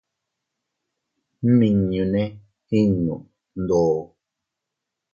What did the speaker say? Nmimñune iʼnno ndoo.